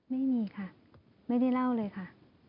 ไม่มีค่ะไม่ได้เล่าเลยค่ะ